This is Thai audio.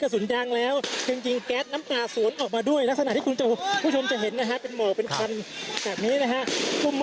คุณผู้ชมครับโอ้โหโอ้โหโอ้โหโอ้โหโอ้โหโอ้โหโอ้โหโอ้โห